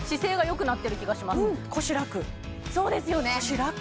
やわそうですよね